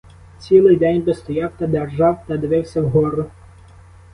Цілий день би стояв, та держав, та дивився вгору.